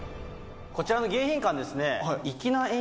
こちらの迎賓館ですね。